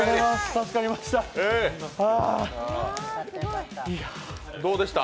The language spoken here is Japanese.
助かりました。